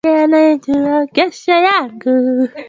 mabadiliko ya jiolojia yanaweza kusababisha tetemeko la ardhi